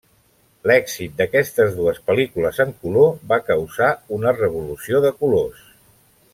L'èxit d'aquestes dues pel·lícules en color va causar una revolució de colors.